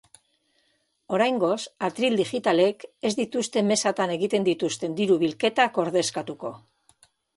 Oraingoz, atril digitalek ez dituzte mezatan egiten dituzten diru-bilketak ordezkatuko.